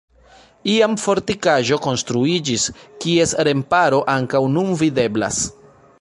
Iam fortikaĵo konstruiĝis, kies remparo ankaŭ nun videblas.